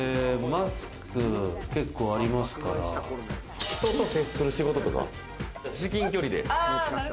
マスク結構ありますから、人と接する仕事とか至近距離で。